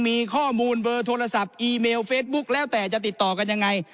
มีข้อมูลเบอร์โทรศัพท์อีเมลเฟซบุ๊กแล้วแต่จะติดต่อกันยังไง